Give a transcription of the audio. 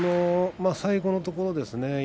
最後のところですね